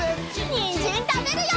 にんじんたべるよ！